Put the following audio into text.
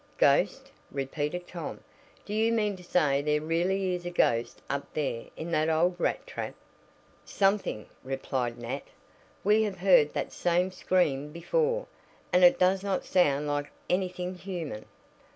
"Ghost!" repeated Tom. "Do you mean to say there really is a ghost up there in that old rat trap?" "Something," replied Nat. "We have heard that same scream before, and it does not sound like anything human."